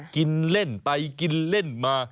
กินเล่นไปกินเล่นมา